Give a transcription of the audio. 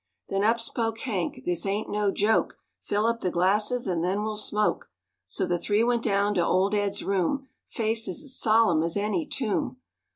Then up spoke Hank, "This ain't no joke, Fill up the glasses and then we'll smoke." So the three went down to Old Ed's room, Faces as solemn as any tomb.